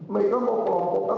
mereka mau kelompokan